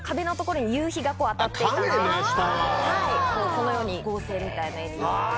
このように合成みたいな絵に。